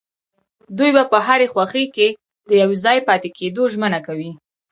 دوی په هرې خوښۍ کې د يوځای پاتې کيدو ژمنه کوي.